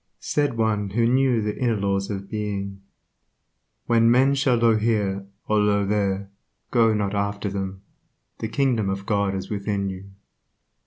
Said one who knew the inner laws of Being," When men shall say Io here, or Io there, go not after them; the kingdom of God is within you."